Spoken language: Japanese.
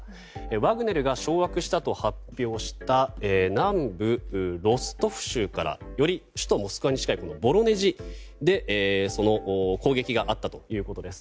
ワグネルが掌握したと発表した南部のロストフ州からより首都モスクワに近いボロネジで攻撃があったということです。